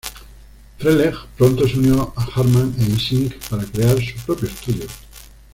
Freleng pronto se unió a Harman e Ising para crear su propio estudio.